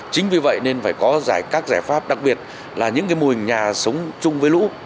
chính vì vậy nên phải có các giải pháp đặc biệt là những mùi nhà sống chung với lũ